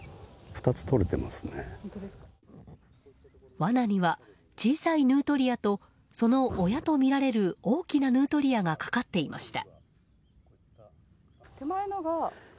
わなには小さいヌートリアとその親とみられる大きなヌートリアがかかっていました。